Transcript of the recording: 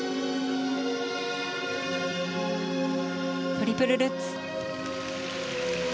トリプルルッツ。